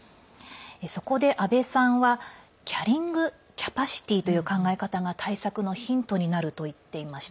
そこで、阿部さんはキャリング・キャパシティーという考え方が対策のヒントになると言っていました。